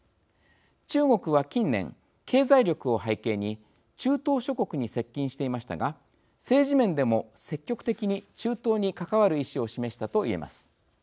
中国は近年経済力を背景に中東諸国に接近していましたが政治面でも積極的に中東に関わる意思を示したと言えます。